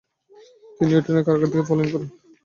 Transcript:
তিনি এডেনের কারাগার থেকে পলায়ন করেন।